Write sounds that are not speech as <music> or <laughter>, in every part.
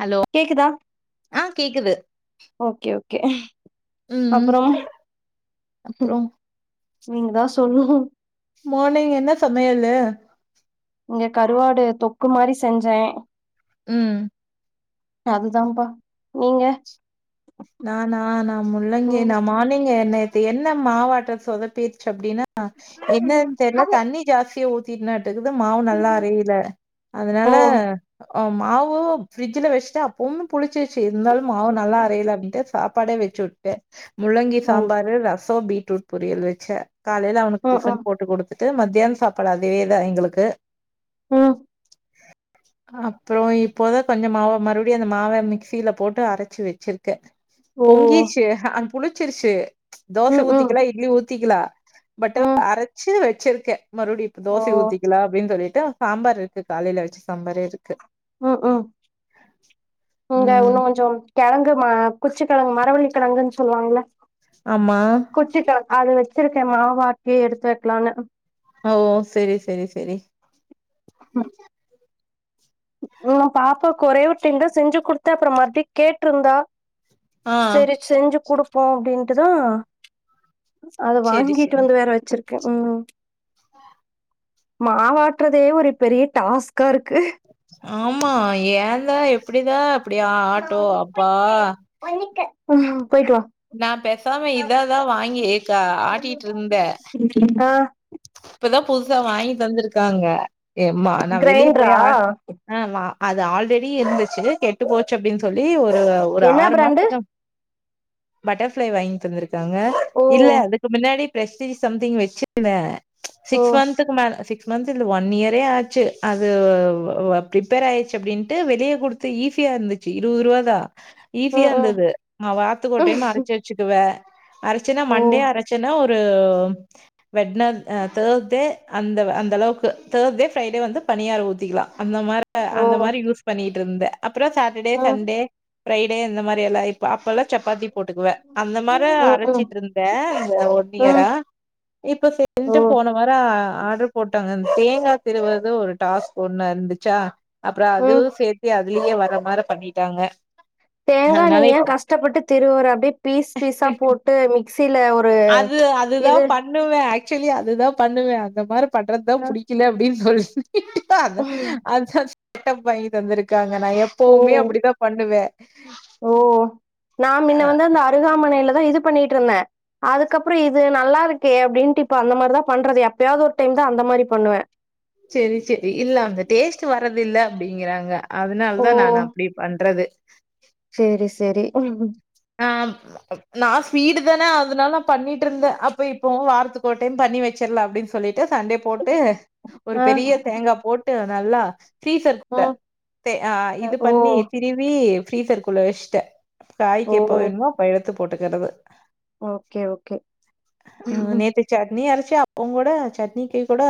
Hello கேக்குதா ஆ கேக்குது ஓகே ஓகே ம் ம் அப்புறம் அப்றோ நீங்கதா சொல்லுனு மார்னிங் என்ன சமையல்லு இங்க கருவாடு தொக்கு மாரி செஞ்சேன் ம் அதுதான்ப்பா நீங்க நானா நான் முள்ளங்கி நீங்க நான் மார்னிங்க நேத்து என்ன மாவாட்ட சொதப்பிர்ச்சு அப்டினா அ என்னன் தெர்ல தண்ணி ஜாஸ்தியா ஊத்திட்னா டெகுத மாவு நல்லா அரைல ஓ அதுனால அ மாவு ஃபிரிட்ஜில வச்ட்ட அப்பவுமு புளிச்சிச்சு இருந்தாலும் மாவு நல்லா அரையில சாப்பாடே வச்சு உட்டே முள்ளங்கி ஐயோ சாம்பாரு ரசோ பீட்ரூட் பொரியல் வச்சேன் காலேல அவனுக்கு ம் டிஃபன் ம் போட்டு குடுத்துட்டு மத்தியான் சாப்பாடு அதேதா எங்களுக்கு ம் அப்றோ இப்போதா கொஞ்ச மாவ மறுவ்டியு அந்த மாவ மிக்ஸில போட்டு அரைச்சு வச்சிரு க்க ஓ பொங்கிச்சு அ புளிச்சிருச்சு தோசை ம் ம் ஊத்திக்கிலா இட்லி ஊத்திக்கிலா பட்டு ம் அரச்சு வச்சிருக்கேன் மறுவ்டியு இப்ப ஓ தோசை ஊத்திக்கிலா அப்டின் சொல்லி ட்டு சாம்பார் இருக்கு காலேல வச்ச சாம்பாரே இருக்கு ம் ம் நீங்க ம் இன்னு கொஞ்சோ கெழங்கு மா குச்சி கெழங்கு மரவள்ளி கெழங்குன் சொல்லுவாங்குள ஆமா குச்சி கெழங் அத வச் வச்சிருக்கேன் மாவாட்டி எடுத்து வக்லான்னு ஓ செரி செரி செரி ம் ம் நா பாப்பாக்கு ஒரே ஒரு டைம்தா செஞ்சுகுடுத்தே அப்ற மறுப்டி கேட்ருந்தா ஆ சேரி செஞ்சு குடுப்போ அப்டின்ட்டுதா அத செரி வாங்கிட்டு செரி வந்து வேற வச்சிருக் க ம் மாவாட்றதே ஒரு பெரிய டாஸ்கா இருக்கு ஆமா ஏந்தே எப்டிதே அப்டி ஆட்டு அப்பா உம் போய்ட்டுவா நா பேசாம இதாதா வாங்கி க்கா ஆட்டீட்ருந்தே வா ஆ இப்பதா புதுசா வாங்கி தந்திருக்காங்க ஏம்மா நா வெளிய கிரைண்டரா போய் ஆ ஆமா அது ஆல்ரெடி இருந்துச்சு கெட்டு போச்சு அப்டின் சொல்லி ஒரு ஒரு என்ன ஆறு பிராண்டு மாசத்துக்கு பட்டர்ஃப்ளை வாங்கி தந்துருக்காங்க ஓ இல்ல அதுக்கு முன்னாடி பிரஸ்டீஜ் சம்திங் வச்சுருந்தே ஓ சிக்ஸ் மன்த்க்கு மேல சிக் க்ஸ்ட் மந்த் இல்ல ஒன் இயரே ஆச்சு அதுவ் வ ரிப்பேர் ஆய்ர்ச்சு அப்டின்ட்டு வெளிய குடுத்து ஈசி யா இருந்துச்சு இருவரூவாதா ஈஸியா ம் ம் இருந்தது நா வார்த்துக்கொரு டைம் அரச்சு வச்சுக்குவே அரச்சனா ஓ மண்டே அரச்சனா ஒர் ரு வெட்ன அ தேர்ஸ்டே அந்த அந்தளவுக்கு தேர்ஸ்டே ஃப்ரைடே வந்து பனியார ஊத்திக்கிலா அந்த மார ஓ அந்த மாரி யூஸ் பண்ணிகிட்ருந்த அப்றோ சாட்டர்டே ம் சண்டே ஃப்ரைடே இந்த மாரியெல்லா இப்ப அப்பலா சப்பாத்தி போட்டுக்குவ அந்த மார ம் ம் அரச்சிட்ருந்தே இந்த ம் ஒன்னியரா இப்ப செ <inaudible> ஓ ன்ட்டு போன வார ஆர்ட்ரு போட்டாங்க இந் தேங்கா திருவற்து ஒரு டாஸ்க் ஒன்னா இருந்துச்சா அப்ற ம் அதுவு சேத்தி அது வெளிய வர மார பண்ணீட்டாங்க தேங்கா நீ் ஏ கஷ்டப்பட்டு திருவுற அப்டியே பீஸ் பீஸா போட்டு மிக்சீல ஒர் அது அதுதா பண்ணுவே ஆ ஆக்ச்சுவ்லி அதுதா பண்ணுவே அந்த மாரு பண்றதுதா ஆ புடிக்கல அப்டின் சொல்லுச்சு ஓ அதா அதா செட்டப் வாங்கிட்டு வந்திருக்காங்க நா எப்பவுமே அப்டிதா பண்ணுவே ஓ நா அ. மின்ன வந்து அந்த அருகாமனைல தா இது பண்ணிகிட்ருந்தே அதுக்கப்றோ இது நல்லா இருக்கே அப்டின்ட்டு இப்ப அந்த மாருதா பண்றது எப்பயாவ்து ஒரு டைம் தா அந்த மாரி பண்ணுவே சேரி சேரி இல்ல அந்த டேஸ்ட்டு வர்றதில்ல அப்டிங்கிறாங்க ஓ அதுனால்தா நானு அப்டி பண்றது சேரி செரி ம் ஆ நா ஸ்பீடு தான அதுனால நா பண்ணிட்ருந்த அப்ப இப்போவு வாரத்துக்கொரு டைம் பண் ணி வெச்சர்லா அப்டின் சொல்லிட்டு சண்டே போட்டு ஒரு ஆ பெரிய தேங்கா போட்டு நல்லா ஃப்ரீசர்க்கிட்ட ம் தே ஆ இது ஓ பண்ணி திருவி ஃப்ரீசர்க்குள்ள வச்ட்டே காய்க்கு ஓ எப்ப வேணுமோ அப்ப எடுத்து போட்டுக்கிறது ஓகே ஓகே ம் நேத்து சட்னி அரச் சே அப்பங்கூட சட்னிக்கு கூட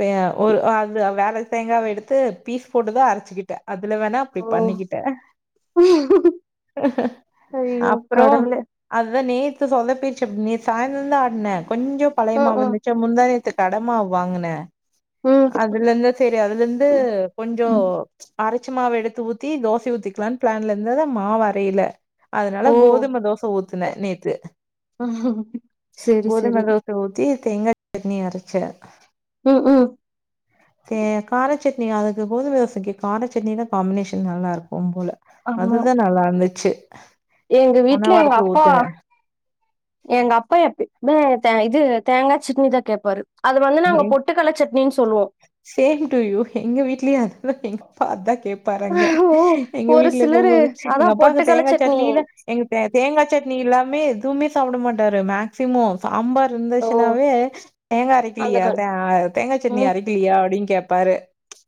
வே ஒரு அது வேற தேங்காவ எடுத்து பீஸ் போட்டுதா அரச்சுக்கிட்டே அதுல வேணா அப்டி ஓ பண்ணிக்கிட்டே ஹய்யோ கடவுளே அதா நேத்து சொதப்பிர்ச்சு நேத் சாய்ந்தரந்தா ஆட்னே கொஞ்ச ம் பழையமாவு ம் இருந்துச்சா முந்தா நேத்து தடமாவ் வாங்குனே ம் அதுலந்தா சேரி அதுலந்து கொஞ்சோ அரை ச்ச மாவ எடுத்து ஊத்தி தோசை ஊத்திக்லான் பிளான்ல இருந்தத மாவரையில அதனால ஓ கோதும தோச ஊத்துனே நேத்து சேரி சேரி கோதும தோச ஊத்தி தேங்கா சட்னி அரச்சே ம் ம் தே காரச்சட்னி அதுக்கு கோதும தோசைக்கு காரச்சட்னிதா காமினேஷன் நல்லா இருக்கும்போல ஆமா அதுதா நல்லா இந்துச்சு எங்க வீட்ல எங்கப்பா எங்கப்பா எப்யமே தே இது இது தேங்கா சிட்னிதா கேப்பாரு அது வந்து நாங்க பொட்டுக்கல்ல சட்னின்னு சொல்லுவோம். <inaudible> சேம் டு யூ எங்க வீட்லயு அதுதா <unintelligible> பா அதா கேப் பாருங்க ஓ! எங்க ஒரு வீட்ல இருக்கு சிலரு போது எங்க அதான் அப்பாகு பொட்டுக்கல்ல தேங்கா சட்னி. சட்னில எங்க தே தேங்கா சட்னி இல்லாமே எதுமே சாப்புட மாட்டாரு மேக்ஸிமோ சாம்பார் ஓ! இருந்துச்சுனாவே தேங்கா அரைக் அந்த இல்லயா கால் தா தேங்கா சட்னி ம். அரைகலயா அப்டினு கேபாரு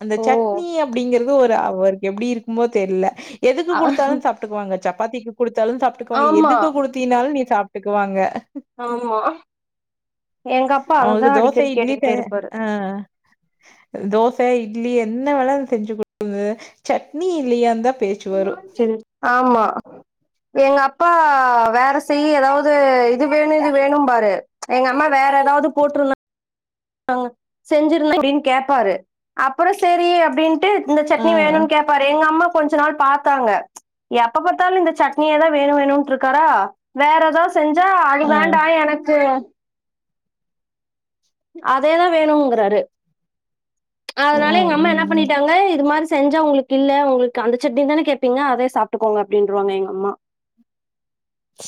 அந்த ஓ! சட்னி அப்படிங்றது கூ ஒரு அவருகு எப்டி இருக்குமோ தெரில எதுக்கு அ குடுத்தாலு சாப்ட்டுகுவாங்க சப்பாத்திகு குடுத்து தாலு சாப்டுகுவாங்க ஆமா, எதுக்கு குடுத்தினாலு நீ சாப்டுகுவாங்க ஆமா எங்க அப்பா அததா அவங்களுக்கு அடிகடிக்கு <unintelligible> ஆ இதோ தோச இட்லி என்ன வேனா செஞ்சி குடு சட்னி இல்லையாந்த செஞ் ஆமா எங்க அப்பா வேற செயி ஏதாவது இது வேணு இது வேணும்பாரு எங்க அம்மா வேற ஏதாவது போட்ருந்தா டாங்க செஞ்சிருங்க அப்டினு கேபாரு அப்பற சேரி அப்டி டு இந்த ஆ சட்னி வேணுனு கேப்பாரு எங்க அம்மா கொஞ்ச நாள் பாத்தாங்க எப்ப பாத்தாலு இந்த சட்னியேதா வேணு வேணுட்டு இருக்காரா வேற ஏதாவது செஞ்சா அது ஆ வேண்டா எனக்கு அதேதா வேணுங்குறாரு அதனால ம் எங்க அம்மா என்ன ம் பண்ணிடாங்க இது மாரி செஞ்சா உங்ளுக்கு இல்ல உங்ளுக்கு அந்த சட்னி தான கேபீங்க அதே சாப்டுகோங்க அப்டின்றுவாங்க எங்க அம்மா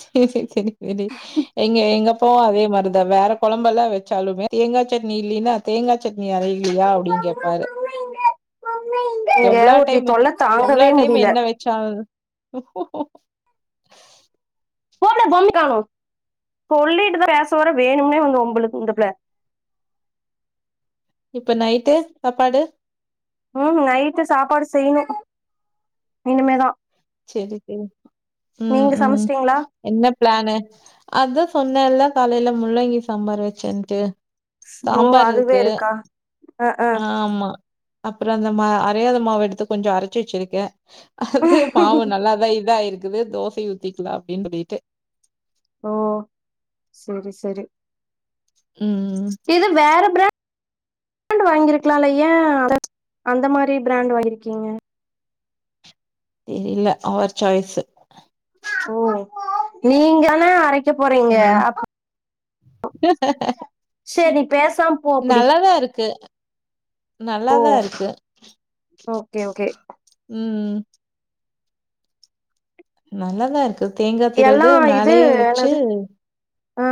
செரி செரி செரி எங்க எங்க அப் இப்போவு அதே மாரிதா வேற குழம்பேலா வச்சாலுமே தேங்கா சட்னி இல்லினா தேங்கா சட் இன்னு அறையிலியா அப்டினு கேப்பாரு இங்க எவ்ளோ ஒருத்தி டைமு தொல்லை எவ்ளோ தாங்கவே டைமு முடியல என்ன வச்சால் <unintelligible> போ <unintelligible> சொல்லிட்டுதா பேச வர வேணும்னே வந்து வம்பு இழுக்கு இந்த பிள இப்ப நைட்டு சாப்பாடு உம் நைட்டு சாப்பாடு செய்ணு இனிமே தா சேரி செய்வோ உம் உம் சமைச்சிட்டீங்களா என்ன பிளானு அத சொன்னல காலையில முள்ளங்கி சாம்பாரு வச்சான்ட்டு ஓ சாம்பார் அதுவே இருக்கு இருக்கா அஹ், அஹ். ஆமா அப்பற அந்த மா அறையாத மாவ எடுத்து கொஞ்ச அரச்சு வச்சிருக்க அது மாவு நல்லாதா இதாயிருக்குது தோசயு ஊத்திக்கலா அப்டினு சொல்லிட்டு ஓ சேரி சேரி ம் இது வேற பிராண் ராண்ட் வாங்கிருக்கலால ஏன் அந்த மாரி பிராண்டு வாங்கிருக்கீங்க தெரில அவர் சாய்ஸு ஓ நீங்க ஆனா அரைக்க போறீங்க ம் அப் பேசாம போ அப்படி நல்லாதா இருக்கு நல்லாதா இருக்கு ஓகே ஓகே ம் நல்லாதா இருக்கு தேங்கா எல்லா திருவுறது இது மேலயே வச்சு என்னது ஆ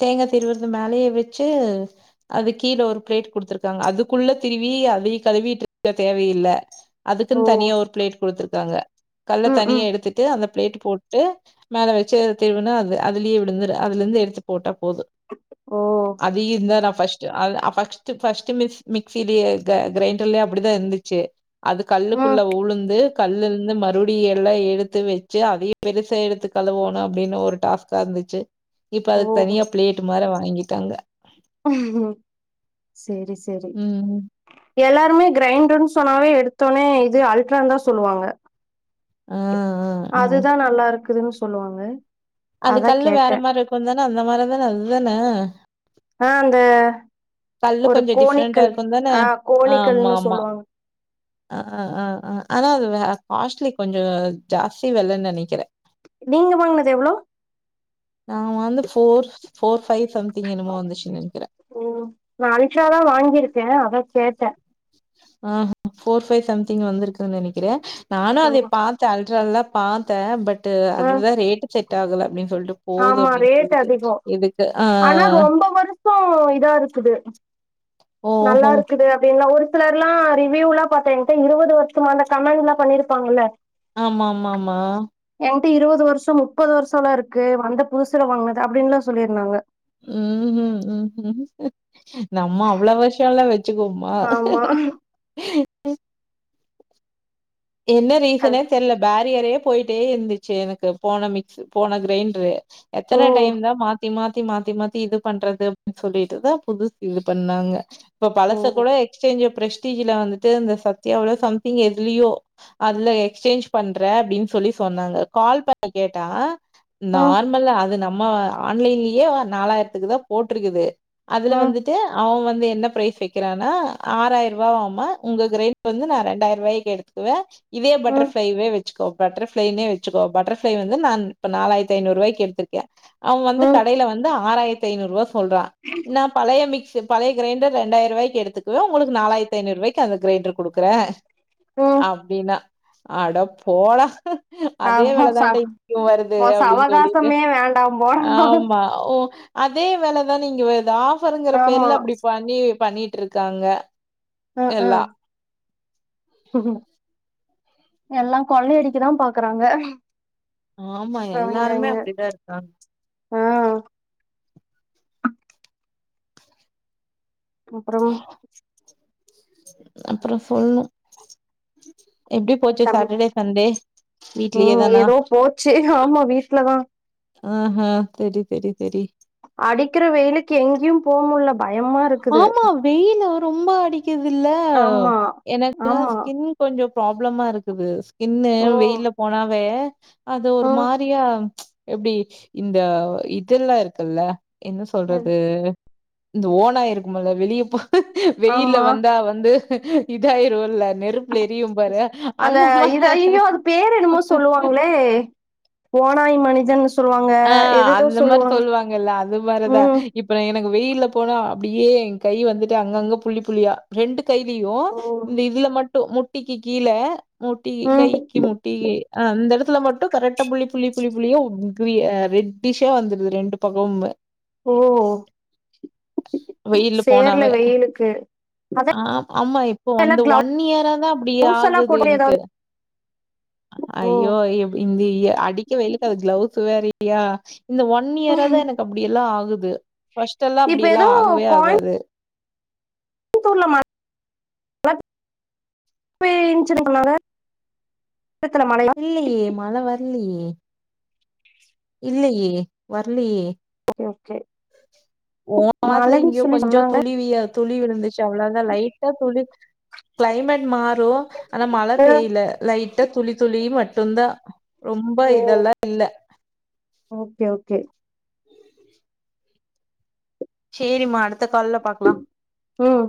தேங்கா திருவுறது மேலய வச்சு அது கீழ ஒரு பிளேட் குடுத்திருகாங்க அதுக்குள்ள திருவி வி அதய கழுவிட்டுருக்க தேவயில்ல ஓ அதுக்குன்னு தனியா ஒரு பிளேட் குடுத்துருக்காங்க கல்ல ம் தனியா ம் எடுத்துட்டு அந்த பிளேட் போட் ட்டு மேல வச்சு திருவுனா அது அதுலயே விழுந்துரு அதுலிருந்து எடுத்து போட்டா போது ஓ அதையுந்தா நா ஃபர்ஸ்ட் ட்டு அது அ ஃபர்ஸ்ட்டு ஃபர்ஸ்ட்டு மிக்சி மிக்சிலே கிரைண்டர்ல அப்டிதா இருந்துச்சு அது கல்லுக்குள்ள ம் உழுந்து கல்லிருந்து மறு வெளிய எல்லா எடுத்து வச்சு அதையு பெருசா எடுத்து கழுவோன்னு அப்டின்னு ஒரு டாஸ்கா இருந்துச்சு இப்ப அதுக்கு ஓ தனியா ப்ளேட்டு் மாரி வாங்கிட்டாங்க சேரி சேரி ம். எல்லாருமே கிரைண்டர்ன்னு சொன்னாவே எடுத்த ஒன்னே இது அல்ட்ரான்னுதா சொல்வாங்க ஆ, ஆ, ஆ. அதுதா நல்லா இருக்குதுன்னு சொல்லுவாங்க அது அதான் கல்லு வேற கேட்டேன் மாரி இருக்குந்தான அந்த மாரிதான அதுதான ஆ அந்த கல்லு ஒரு கொஞ்சம் டிஃப்ரெண்ட்டா கோணிக்கல் இருக்கும் தான? ஆ கோணிக்கல்ன்னு சொல்லுவாங்க ஆ ஆ ஆ ஆனா அது காஸ்ட்லி கொஞ்சோ ஜாஸ்தி வெலன்னு நெனைக்கிறே நீங்க வாங்குனது எவ்ளோ நா வாங்குனது ஃபோர் ஃபோர் ஃப்வை சம்திங் என்னுமோ வந்துச்சி நெனக்கிறே ம் நா அல்ட்ராதா வாங்கிருக்கே அதா கேட்டே ஆ ஃபோர் ஃபைவ் சம்திங் வந்திருக்குன்னு நெனைக்கிறே நானு அதை ம் பாத்தே அல்ட்ராலதா பாத்தே பட் ம் அதுதா ரேட்டு செட் ஆகல அப்டின்னு ஆமா ரேட் அதிகோ எதுக்கு? ஆ. ஆனா ரொம்ப வருஷோ இதா இருக்குது நல்லா ஓஹோ! இருக்குது அப்டியே ஒரு சிலர்ல்லா ரிவியூல்லா பாத்தே ஏங்கிட்ட இருவது வருஷமா அந்த கமெண்ட்ல்லா பண்ணிருப்பாங்கல்ல ஆமா ஆமா ஆமா என்ட இருவது வருஷோ முப்பது வருஷம்லா இருக்கு வந்த புதுசுல வாங்குனது அப்டின்லா சொல்லிருந்தாங்க ம் ம் ம் நம்ம அவ்ளோ வருஷல்லா வச் சிக்குவமா ஆமா என்ன ரீசனே தெரியல பேரியரே போயிட்டே இருந்துச்சி எனக்கு போன மிக்ஸ் போன க்ரைண்ட்ரு ஓ எத்தன டயம்தா மாத்தி மாத் தி மாத்தி மாத்தி இது பண்றது அப்டின் சொல்லிட்டுதா புதுசு இது பண்ணாங்க இப்பொ ஓ பழச கூட எக்ஸ்சேஞ்ச ப்ரஸ்டீஜ்ல வந்துட்டு இந்த சத்தியாவுல சம்திங் எதுலியோ அதுல எக்ஸ்சேஞ்ச் பண்ற அப்டின் சொல்லி சொன்னாங்க கால் பண்ணி கேட்டா ம் நார்மல் அது நம்ம ஆன்லைன்லயே நாலாயிரத்துக்கு தா போட்ருக்குது அதுல ம் வந்து ட்டு அவ வந்து என்ன ப்ரைஸ் வெக்கிறான்னா ஆறாய்ருவாவாமா உங்க க்ரைண்ட் வந்து நா ரெண்டாய்ருவாய்க்கி எடுத் க்வ இதே ம் பட்டர்ஃப்ளைவே வெ ச்சிக்கோ பட்டர்ஃப்ளைன்னே வெச்சிக்கோ பட்டர்ஃளை வந்து நான் இப்ப நாலாயிரத்தி ஐநூறுவாய்க்கி எடுத்ருக்கே அவ வந்து ம் கடையில வந்து ஆறாயிரத்தி ஐநூறுவா சொல்றா நா பழைய மிக்ஸ் பழைய க்ரைண்டர் ரெண்டாய்ருவாய்க்கி எடுத்துக்குவ உங்களுக்கு நாலாயிரத்தி ஐநூறுவாய்க்கி அந்த க்ரைண்டர் குடுக்குற ம் அப்டின்னா அடப் போடா அதே ஆமா ச வெலதான்டா இப்பவும் வருது அப்டின் சொல்லிட்டு சவகாசமே வேண்டாம் போடா ஆமா ஓ அதே வெலதான இங்க வருது ஆஃபருங்குற ஆமா பேர்ல அப்டி பண்ணி பண்ணிட்ருக்காங்க அ அ எல்லா எல்லா கொள்ளையடிக்கதா பாக்குறாங்க ஆமா அவிங்க எல்லாருமே அவிங்க அப்டிதா இருக்காங்க ஆ அப்றம் அப்றொ சொல்னு எப்டி போச்சி தம்பி சாட்டடே சண்டே வீட்லயே ம் தானா ஏதோ போச்சு ஆமா வீட்லதா ஆ ஹ செரி செரி செரி கி எங்கியும் போமுல்ல ஆமா வெயிலு ரொம்ப அடிக்குதில்ல ஆமா எனக்குலா ஆமா ஸ்கின் கொஞ்ச ப்ராப்ளமா இருக்குது இன்ன ஓ வெயில போனாவே அது ஒரு ம் மாரியா எப்டி இந்த இதெல்ல இருக்குல்ல என்ன ம் சொல்றது இந்த ஓநாய் இருக்குமல வெளியப்ப வெயில ஆமா வந்தா வந்து இதா ஆயிருல்ல த்ருப் பேசு அந்த இத ஐய்யியோ அது பேரு என்னமோ சொல்லுவாங்ளே ஓ நாய் மனுஜன் ஆ அந்த மாரி சொல்லுவாங்கல்ல அது மாரிதா ம் இப்ப ந எனக் கு வெயில்ல போனா அப்டியே ஏ கை வந்துட்டு அங்கங்க புள்ளி புள்ளியா ரெண்டு கைலியு ஓ இந்த இதுல மட்டு முட்டிக்கி கீழ முட்டி ம் கைக்கு முட்டி ஆ அந்த எடத்துல மட்டு கரெட்டா புள்ளி புள்ளி புள்ளி புள்ளியா உப் பி ஆ ரெட்டிஸா வந்துருது ரெண்டு பக்கமுமே ஓ வெயில்ல சேர்ல போனாவே வெயிலுக்கு அதா ஆம் ஆமா இப்போ எல்லா அந்த ஒன் இயரா தா அப்டி கிளவுஸ் எல்லா ஆகுது போட்டு எனக்கு ஏதாவது அய்யோ இப் இங்க இய அடிக்க வெயிலுக்கு அது க்ளவுஸ் <inaudible> இந்த ஒன் ஓ இயராதா எனக் அப்டியெல்லா ஆகுது ஃபஸ்ட்டெல்லா இப்ப அப்டிலா ஏதோ ஆகவே கோயம்புத்தூர்ல ஆகாது <unintelligible> இப்ப ஏச்சிருன்னு சொன்னாங்க சேலத்துல மழையா இல்லையே மழ வர்லியே இல்லயே வர்லியே ஓகே ஓகே ஓ ஆத்துல மழைன்னு இங்கே சொல்லி கொஞ்ச சொன்னாங்க துளி விய துளி விழுந்துச்சு அவ்ளோதா லைட்டா துளி கிளைமேட் மாறு ஆனா மழ பெய்ல லைட்டா துளி துளி மட்டுந்தா ரொம்ப இதெல்லா இல்ல ஓகே ஓகே சேரிம்மா அடுத்த கால்ல பாக்கலா ம்